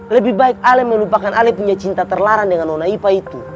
lebih baik kamu lupakan kamu punya cinta terlarang sama si ipa